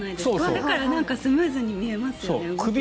だからスムーズに見えますよね。